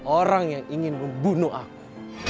orang yang ingin membunuh aku